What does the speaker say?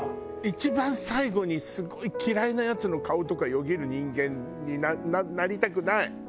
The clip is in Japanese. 一番最後にすごい嫌いなヤツの顔とかよぎる人間になりたくない。